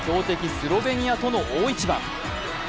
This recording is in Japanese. スロベニアとの大一番。